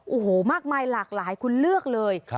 โอ้โหมากมายหลากหลายคุณเลือกเลย